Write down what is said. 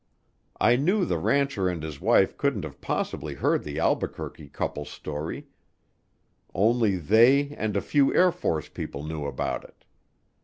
I knew the rancher and his wife couldn't have possibly heard the Albuquerque couple's story, only they and a few Air Force people knew about it.